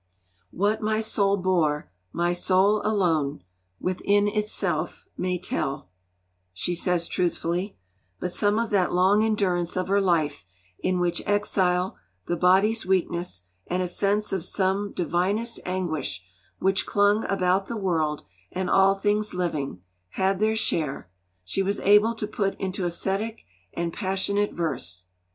What my soul bore my soul alone Within itself may tell, she says truthfully; but some of that long endurance of her life, in which exile, the body's weakness, and a sense of some 'divinest anguish' which clung about the world and all things living, had their share, she was able to put into ascetic and passionate verse.